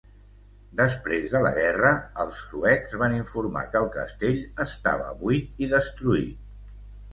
Després de la guerra, els suecs van informar que el castell estava buit i destruït.